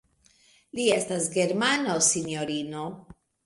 Li estas Germano, sinjorino.